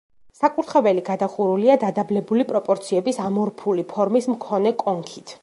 საკურთხეველი გადახურულია დადაბლებული პროპორციების, ამორფული ფორმის მქონე კონქით.